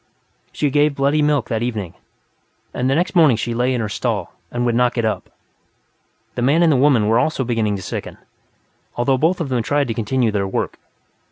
She gave bloody milk, that evening, and the next morning she lay in her stall and would not get up. The man and the woman were also beginning to sicken, though both of them tried to continue their work.